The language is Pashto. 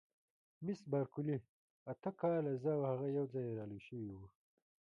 مس بارکلي: اته کاله، زه او هغه یوځای را لوي شوي وو.